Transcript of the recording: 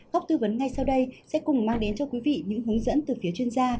góc tư vấn ngay sau đây sẽ cùng mang đến cho quý vị những hướng dẫn từ phía chuyên gia